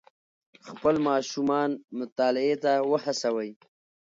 خپل ماشومان مطالعې ته وهڅوئ.